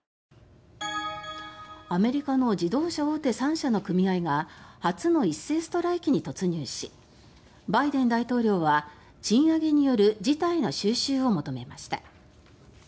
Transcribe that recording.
アメリカの自動車大手３社の組合が初の一斉ストライキに突入しバイデン大統領は賃上げによる事態の収拾を求めました。